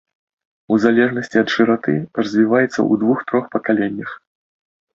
У залежнасці ад шыраты, развіваецца ў двух-трох пакаленнях.